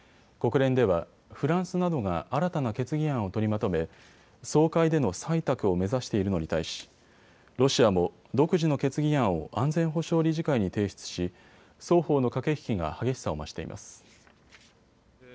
国連ではフランスなどが新たな決議案を取りまとめ総会での採択を目指しているのに対し、ロシアも独自の決議案を安全保障理事会に提出し双方の駆け引きが激しさを増しています。